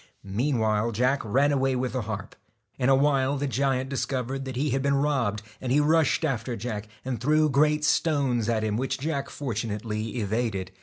Meanwhile Jack ran away with the harp. In a while the giant discovered that he had been robbed, and he rushed after Jack, and threw great stones at him, which Jack fortu nately evaded.